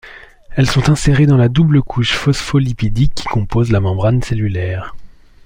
Elles sont insérées dans la double couche phospholipidique qui compose la membrane cellulaire.